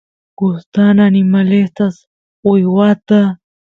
gustan animalesta uywata